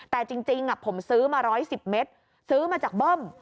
แต่จริงผมซื้อมา๑๑๐เมตรซื้อมาจากเบิ้ม